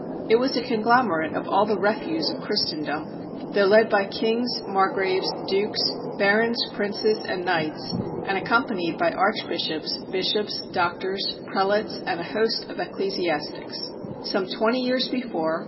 It was a conglomerate of all the refuse of Christendom, though led by kings, margraves, dukes, barons, princes, and knights, and accompanied by arch bishops, bishops, doctors, prelates, and a host of eccle siastics. Some twenty years before.